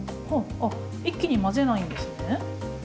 あ一気に混ぜないんですね。